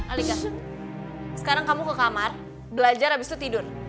alikasi sekarang kamu ke kamar belajar abis itu tidur